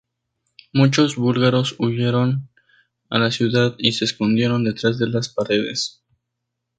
Muchos búlgaros huyeron a la ciudad y se escondieron detrás de las paredes.